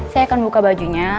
saya akan buka bajunya